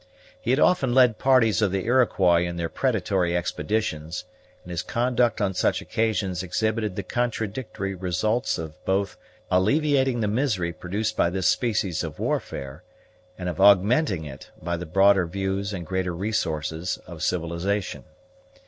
He had often led parties of the Iroquois in their predatory expeditions; and his conduct on such occasions exhibited the contradictory results of both alleviating the misery produced by this species of warfare, and of augmenting it by the broader views and greater resources of civilization.